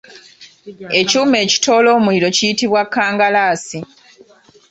Ekyuma ekitoola omuliro kiyitibwa Kkangalaasi.